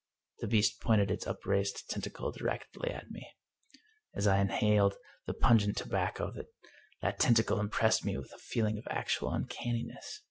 The beast pointed its upraised tentacle directly at me. As I inhaled the pungent tobacco that tentacle impressed me with a feeling of actual uncanniness.